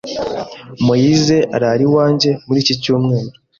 Moise arara iwanjye muri iki cyumweru.